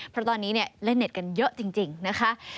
เพราะตอนนี้เล่นเน็ตกันเยอะจริงนะคะ